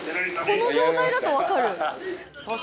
この状態だと分かる。